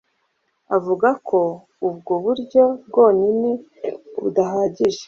avuga ko ubwo buryo bwonyine budahagije